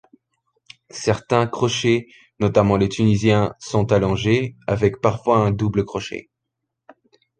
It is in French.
Certains crochets, notamment les tunisiens, sont allongés, avec parfois un double-crochet.